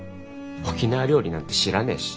沖縄料理なんて知らねえし。